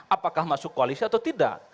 apakah masuk koalisi atau tidak